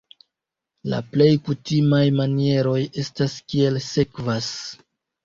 La plej kutimaj manieroj estas kiel sekvas.